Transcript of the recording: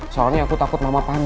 soalnya aku takut mama papa